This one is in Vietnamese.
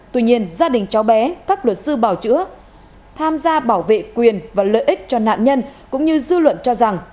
tuy nhiên gia đình cháu bé các luật sư bảo chữa tham gia bảo vệ quyền và lợi ích cho nạn nhân cũng như dư luận cho rằng